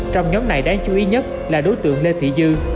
trong nhóm này đáng chú ý nhất là đối tượng lê thị dư